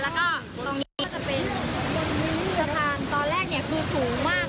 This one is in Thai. แล้วก็ตรงนี้จะเป็นสะพานตอนแรกเนี่ยคือสูงมาก